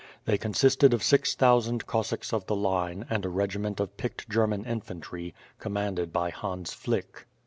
They consisted of six thousand Cossacks of the Line and a regiment of picked German infantry, comanded by Hans Flick.